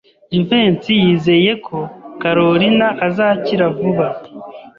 Jivency yizeye ko Kalorina azakira vuba.